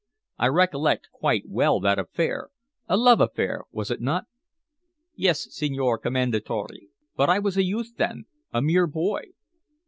I recollect quite well that affair a love affair, was it not?" "Yes, Signor Commendatore. But I was a youth then a mere boy."